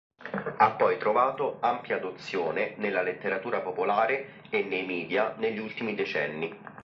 Ha poi trovato ampia adozione nella letteratura popolare e nei media negli ultimi decenni.